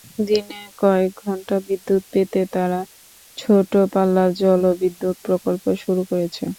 দিনে কয়েক ঘণ্টা বিদ্যুৎ পেতে তারা ছোট পাল্লার জলবিদ্যুৎ প্রকল্প শুরু করেছে।